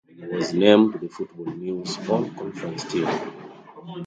He was named to the Football News all-conference team.